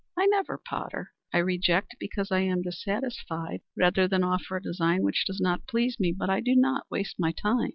"I never potter. I reject because I am dissatisfied rather than offer a design which does not please me, but I do not waste my time."